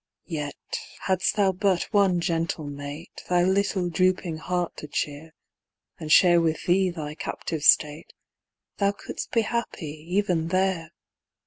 Yet, hadst thou but one gentle mate Thy little drooping heart to cheer, And share with thee thy captive state, Thou couldst be happy even there.